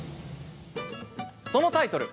そのタイトル